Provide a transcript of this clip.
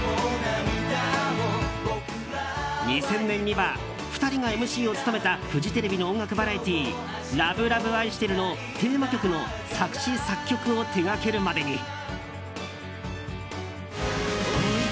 ２０００年には２人がＭＣを務めたフジテレビの音楽バラエティー「ＬＯＶＥＬＯＶＥあいしてる」のテーマ曲の作詞・作曲を手掛けるまでに。